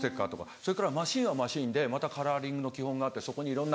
それからマシンはマシンでまたカラーリングの基本があってそこにいろんな。